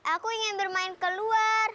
aku ingin bermain keluar